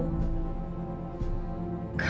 kalau aku malam sekarang